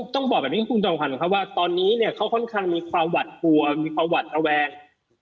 ต้องบอกแบบนี้คุณจอมขวัญครับว่าตอนนี้เนี่ยเขาค่อนข้างมีความหวัดกลัวมีความหวัดระแวง